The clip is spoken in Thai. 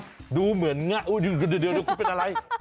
โห้ดูเหมือนแล้วขึ้นเป็นอะไร